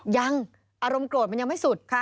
ยังอารมณ์โกรธมันยังไม่สุด